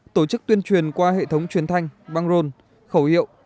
tổ chức tuyên truyền qua hệ thống truyền thanh băng rôn khẩu hiệu